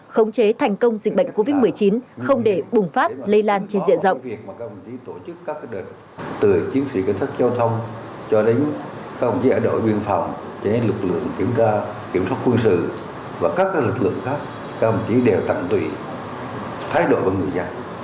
khống chế thành công dịch bệnh covid một mươi chín không để bùng phát lây lan trên diện rộng